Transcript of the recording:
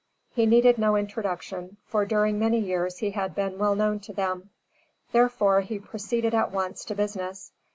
He needed no introduction, for, during many years, he had been well known to them. Therefore he proceeded, at once, to business.